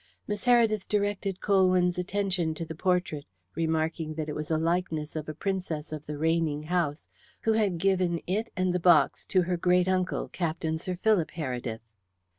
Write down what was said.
Miss Heredith directed Colwyn's attention to the portrait, remarking that it was a likeness of a princess of the reigning house, who had given it and the box to her great uncle, Captain Sir Philip Heredith.